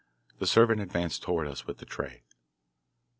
The servant advanced towards us with the tray.